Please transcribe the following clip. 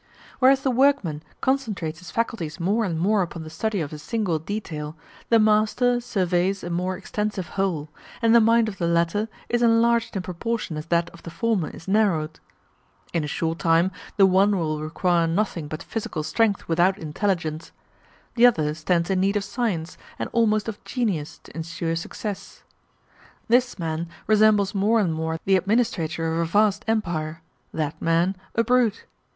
Whereas the workman concentrates his faculties more and more upon the study of a single detail, the master surveys a more extensive whole, and the mind of the latter is enlarged in proportion as that of the former is narrowed. In a short time the one will require nothing but physical strength without intelligence; the other stands in need of science, and almost of genius, to insure success. This man resembles more and more the administrator of a vast empire that man, a brute.